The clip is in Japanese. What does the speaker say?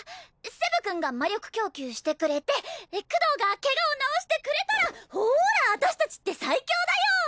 セブ君が魔力供給してくれてクドーがケガを治してくれたらほら私達って最強だよ！